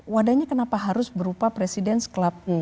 wadahnya kenapa harus berupa presiden club